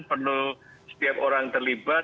perlu setiap orang terlibat